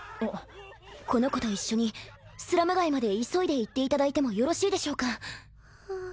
この子と一緒にスラム街まで急いで行っていただいてもよろしいでしょうか？